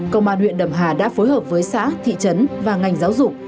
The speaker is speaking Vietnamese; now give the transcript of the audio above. công an huyện đầm hà đã phối hợp với xã thị trấn và ngành giáo dục